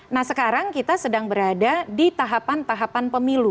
nah sekarang kita sedang berada di tahapan tahapan pemilu